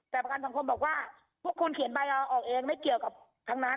แต่ประกันสังคมบอกว่าพวกคุณเขียนใบเอาออกเองไม่เกี่ยวกับทั้งนั้น